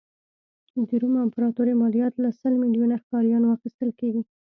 د روم امپراتوري مالیات له سل میلیونه ښاریانو اخیستل.